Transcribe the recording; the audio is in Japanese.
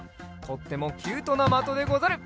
とってもキュートなまとでござる。